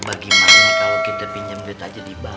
bagaimana kalau kita pinjam duit aja di bank